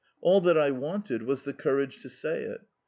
All that I wanted was the courage to say it.